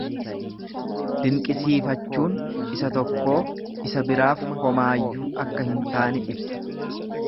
Dinqisiifachuun isa tokkoo isa biraaf homaayyuu akka hin taane ibsa.